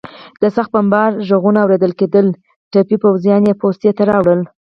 د سخت بمبار غږونه اورېدل کېدل، ټپي پوځیان یې پوستې ته راوړل.